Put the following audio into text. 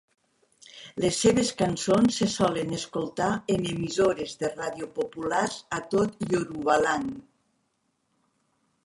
Les seves cançons se solen escoltar en emissores de ràdio populars a tot Yorubaland.